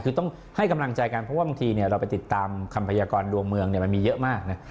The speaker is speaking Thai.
คือต้องให้กำลังใจกันเพราะว่าบางทีเราไปติดตามคำพยากรดวงเมืองมันมีเยอะมากนะ